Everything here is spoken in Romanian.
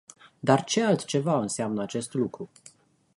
Dar ce altceva înseamnă acest lucru?